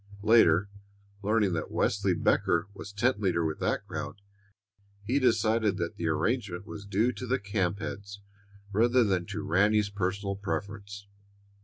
Later, learning that Wesley Becker was tent leader with that crowd, he decided that the arrangement was due to the camp heads rather than to Ranny's personal preference.